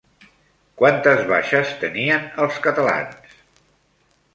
Quantes baixes tenien els catalans?